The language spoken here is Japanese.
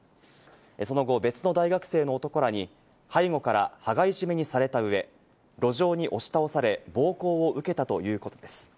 その後、別の大学生の男らに背後から羽交い締めにされた上、路上に押し倒され、暴行を受けたということです。